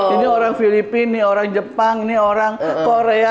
ini orang filipina orang jepang ini orang korea